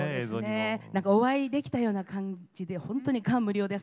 お会いできたような感じでほんとに感無量です。